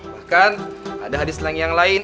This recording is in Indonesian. bahkan ada hadits yang lain